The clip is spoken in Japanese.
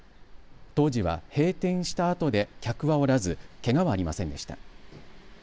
当時は閉店したあとで客はおらずけがはありませんでした。